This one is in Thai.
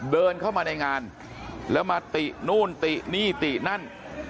เดินเข้ามาในงานแล้วมาตินู่นตินี่ตินั่น